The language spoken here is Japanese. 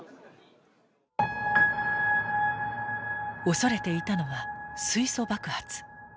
恐れていたのは水素爆発。